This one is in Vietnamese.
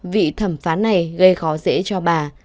vị thẩm phán này gây khó dễ cho bà